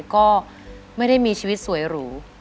ก็ไม่ได้มีชีวิตสวยหรู